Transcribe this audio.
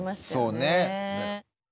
そうね。